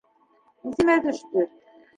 Иҫемә төштө.